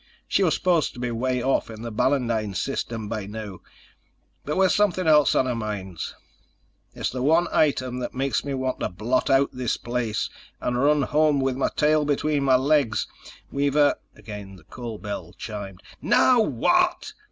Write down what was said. She was supposed to be way off in the Balandine System by now. But we've something else on our minds. It's the one item that makes me want to blot out this place, and run home with my tail between my legs. We've a—" Again the call bell chimed. "NOW WHAT?"